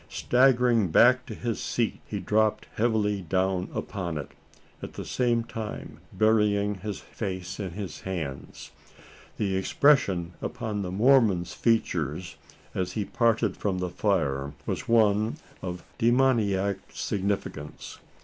Staggering back to his seat, he dropped heavily down upon it at the same time burying his face in his hands. The expression upon the Mormon's features, as he parted from the fire, was one of demoniac significance.